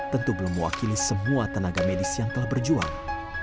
tentu belum mewakili semua tenaga medis yang telah berjuang